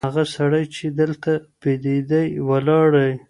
هغه سړی چي دلته بېدېدی ولاړی.